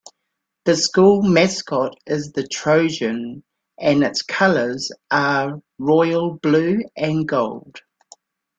The school mascot is the Trojan, and its colors are royal blue and gold.